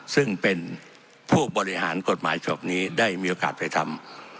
ซึ่งเป็นผู้บริหารกฎหมายฉบับนี้ได้มีโอกาสไปทำ